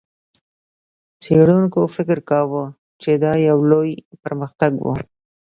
څېړونکو فکر کاوه، چې دا یو لوی پرمختګ و.